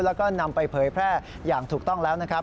แล้วก็นำไปเผยแพร่อย่างถูกต้องแล้วนะครับ